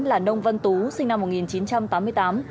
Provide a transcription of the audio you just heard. là nông văn tú sinh năm một nghìn chín trăm tám mươi tám